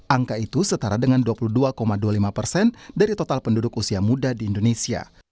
angka itu setara dengan dua puluh dua dua puluh lima persen dari total penduduk usia muda di indonesia